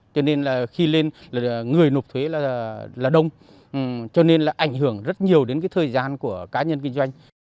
cho nên là khi lên là người nộp thuế là đông cho nên là ảnh hưởng rất nhiều đến cái thời gian của cá nhân kinh doanh